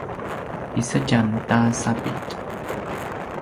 kisedjam ta sapitj